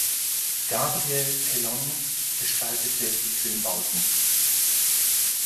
Gabriel Pellon gestaltete die Filmbauten.